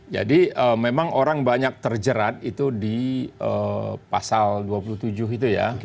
jadi memang orang banyak terjerat itu di pasal dua puluh tujuh itu ya